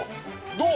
どう？